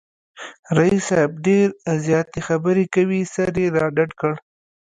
رییس صاحب ډېرې زیاتې خبری کوي، سر یې را ډډ کړ